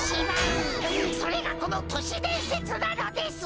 それがこの都市伝説なのです！